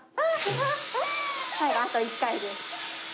最後あと１回です。